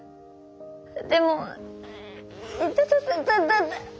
でもいたたた。